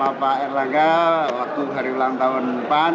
sama pak erlangga waktu hari ulang tahun depan